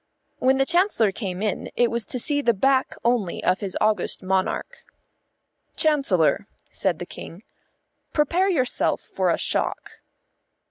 When the Chancellor came in it was to see the back only of his august monarch. "Chancellor," said the King, "prepare yourself for a shock."